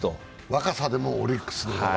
若さでもオリックスの方が。